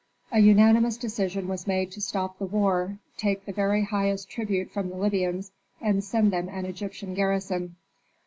A unanimous decision was made to stop the war, take the very highest tribute from the Libyans, and send them an Egyptian garrison.